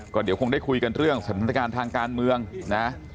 ก็เดี๋ยวคงได้คุยกันเรื่องสถานการณ์ทางการเมืองนะ